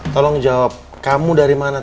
tolong jawab kamu dari mana